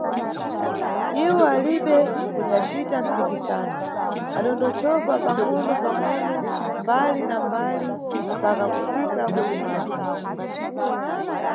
Iwo alibe kudzacita mpikisano, adandochova pangʼonopangʼono mbali na mbali mpaka kufika ku Cimadzi.